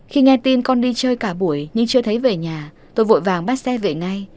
khi nghe tin con đi chơi cả buổi nhưng chưa thấy về nhà tôi vội vàng bắt xe về nay